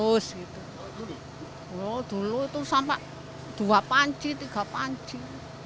wow dulu itu sampai dua panci tiga panci